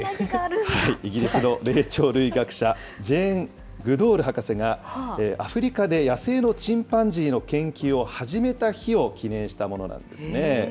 イギリスの霊長類学者、ジェーン・グドール博士が、アフリカで野生のチンパンジーの研究を始めた日を記念したものなんですね。